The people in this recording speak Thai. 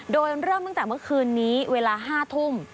โดยเริ่มตั้งแต่เมื่อคืนนี้เวลา๕ทุ่ม